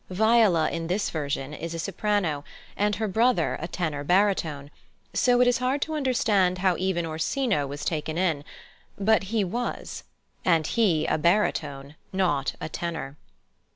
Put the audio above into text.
Viola, in this version, is a soprano, and her brother a tenor baritone, so it is hard to understand how even Orsino was taken in; but he was (and he a baritone, not a tenor!).